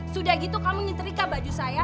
sudah gitu kamu nyeterika baju saya